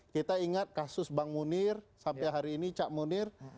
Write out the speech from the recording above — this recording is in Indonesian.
kita ingat kasus bang munir sampai hari ini cak munir